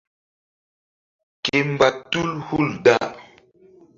Ke mba tul hul da.